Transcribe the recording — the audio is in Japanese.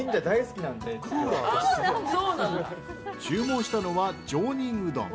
注文したのは上忍うどん。